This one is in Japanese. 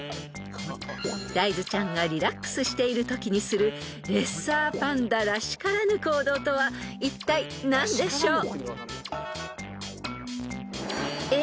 ［ダイズちゃんがリラックスしているときにするレッサーパンダらしからぬ行動とはいったい何でしょう］